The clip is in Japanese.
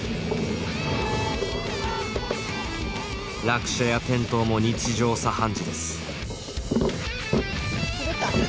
落車や転倒も日常茶飯事です。